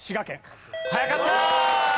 早かった！